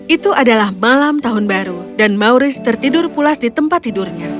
itu adalah malam tahun baru dan mauris tertidur pulas di tempat tidurnya